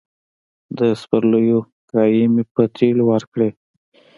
د سپرليو کرايې مې په تيلو ورکړې.